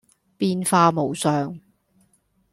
變化無常